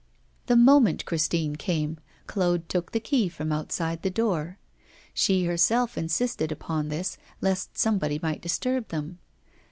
The moment Christine came, Claude took the key from outside the door. She herself insisted upon this, lest somebody might disturb them.